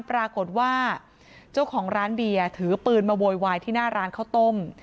ปรากฏว่าเจ้าของร้านเบียร์ถือปืนมาโวยวายที่หน้าร้านข้าวต้ม